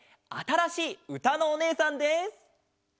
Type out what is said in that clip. あたらしいうたのおねえさんです！